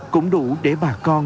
cũng đủ để bà con ấm lòng